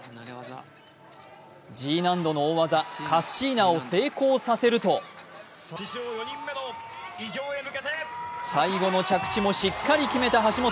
Ｇ難度の大技・カッシーナを成功させると最後の着地もしっかり決めた橋本。